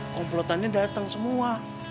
komplotannya dateng semua